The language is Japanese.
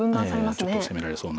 ちょっと攻められそうなので。